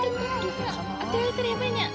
あてられたらやばいね。